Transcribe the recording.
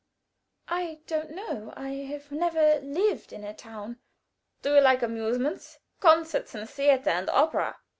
"I don't know. I have never lived in a town." "Do you like amusements concerts, and theater, and opera?"